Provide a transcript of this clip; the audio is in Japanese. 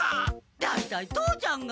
大体父ちゃんが。